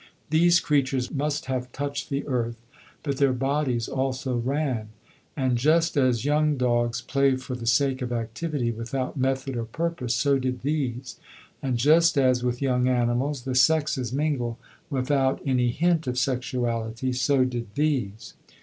These creatures must have touched the earth, but their bodies also ran. And just as young dogs play for the sake of activity, without method or purpose, so did these; and just as with young animals the sexes mingle without any hint of sexuality, so did these.